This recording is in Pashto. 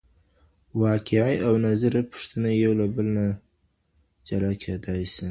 واقعي او نظري پوښتنې یو له بل نه جلا کېدای سي.